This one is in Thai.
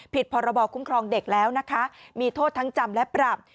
พรบคุ้มครองเด็กแล้วนะคะมีโทษทั้งจำและปรับ